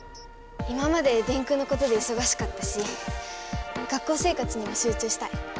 今まで「電空」のことでいそがしかったし学校生活にもしゅう中したい。